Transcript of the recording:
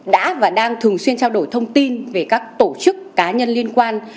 đã và đang thường xuyên trao đổi thông tin về các tổ chức cá nhân liên quan